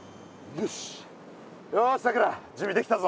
よしさくら準備できたぞ。